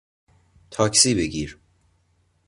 تاکسی بگیر